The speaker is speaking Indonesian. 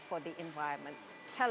beritahukan kami tentang